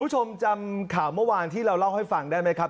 คุณผู้ชมจำข่าวเมื่อวานที่เราเล่าให้ฟังได้ไหมครับ